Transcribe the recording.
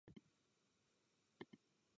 Věřím, že dnešní zpráva vyvolá plodnou diskusi.